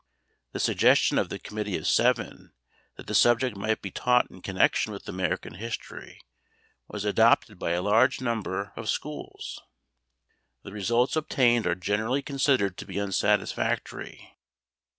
The suggestion of the Committee of Seven that the subject might be taught in connection with American History was adopted by a large number of schools. The results obtained are generally considered to be unsatisfactory.